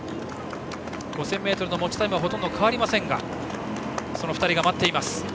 ５０００ｍの持ちタイムはほとんど変わりませんがその２人が待っています。